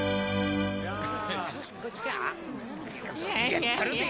やったるで！